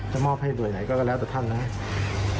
จะมอบให้อยู่ตัวใหญ่ก็แล้วตัวท่านนะครับ